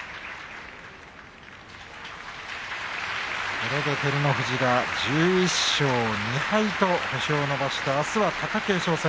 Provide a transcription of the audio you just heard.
これで照ノ富士が１１勝２敗と星を伸ばしてあすは貴景勝戦。